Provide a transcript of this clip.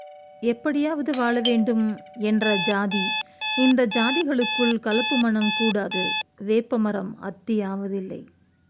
எப்படியாவது வாழ வேண்டும் என்ற சாதி, இந்தச் சாதிகளுக்குள் கலப்பு மணம் கூடாது. வேப்பமரம் அத்தி ஆவதில்லை.